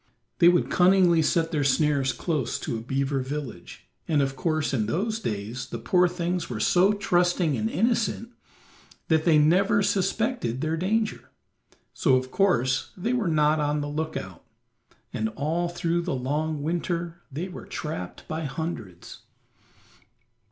They would cunningly set their snares close to a beaver village, and of course, in those days, the poor things were so trusting and innocent that they never suspected their danger; so of course they were not on the lookout, and all through the long winter they were trapped by hundreds.